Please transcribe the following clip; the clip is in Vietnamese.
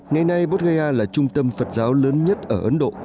ngày nay bodh gaya là trung tâm phật giáo lớn nhất ở ấn độ